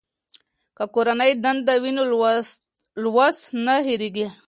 که کورنۍ دنده وي نو لوست نه هېریږي.